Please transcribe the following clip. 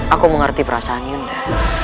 aku mengerti perasaan yunda